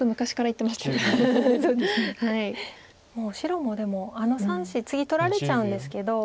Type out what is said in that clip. もう白もでもあの３子次取られちゃうんですけど。